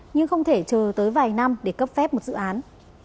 nhưng không thể chờ tới vài năm để cấp phép một dự án